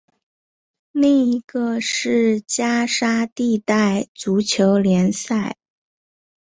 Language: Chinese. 另一个是加沙地带足球联赛。